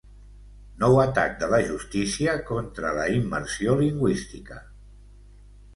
Nou atac de la justícia contra la immersió lingüística.